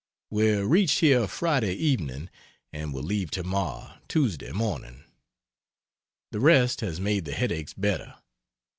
We reached here Friday evening and will leave tomorrow (Tuesday) morning. The rest has made the headaches better.